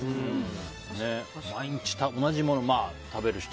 毎日同じもの食べる人。